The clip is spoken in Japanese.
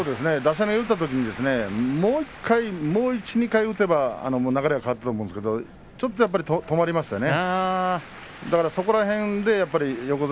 出し投げを打ったときですね、もう１、２回打っていれば流れが変わったと思うんですがちょっと止まりましたね。